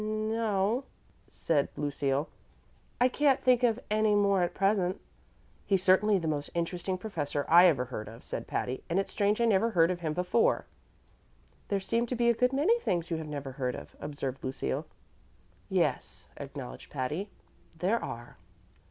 "N no," said Lucille; "I can't think of any more at present." "He's certainly the most interesting professor I ever heard of," said Patty, "and it's strange I never heard of him before." "There seem to be a good many things you have never heard of," observed Lucille. "Yes," acknowledged Patty; "there are."